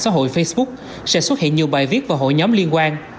xã hội facebook sẽ xuất hiện nhiều bài viết và hội nhóm liên quan